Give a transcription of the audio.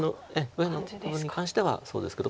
右辺のところに関してはそうですけど。